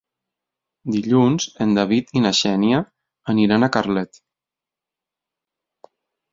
Dilluns en David i na Xènia aniran a Carlet.